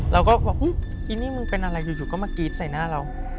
เราก็บอกอีนี่มึงเป็นอะไรอยู่ก็มากรี๊ดใส่หน้าเรา